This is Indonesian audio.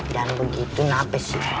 dan begitu nafas